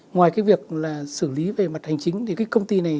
ngoài cái việc là xử lý về mặt hành chính thì cái công ty này